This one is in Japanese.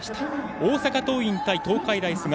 大阪桐蔭対東海大菅生。